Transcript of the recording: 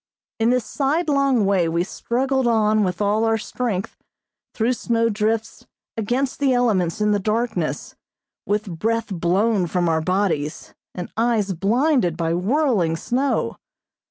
In this sidelong way we struggled on with all our strength, through snow drifts, against the elements in the darkness, with breath blown from our bodies, and eyes blinded by whirling snow.